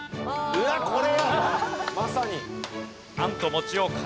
うわっこれよ。